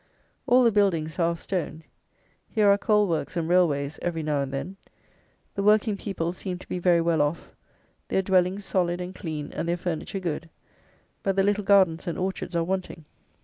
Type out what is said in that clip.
All the buildings are of stone. Here are coal works and railways every now and then. The working people seem to be very well off; their dwellings solid and clean, and their furniture good; but the little gardens and orchards are wanting.